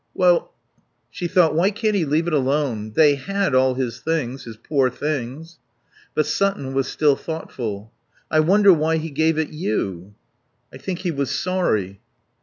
"Well " She thought: "Why can't he leave it alone? They had all his things, his poor things." But Sutton was still thoughtful. "I wonder why he gave it you." "I think he was sorry."